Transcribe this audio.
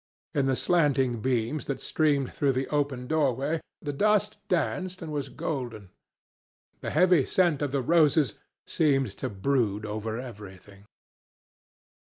In the slanting beams that streamed through the open doorway the dust danced and was golden. The heavy scent of the roses seemed to brood over everything.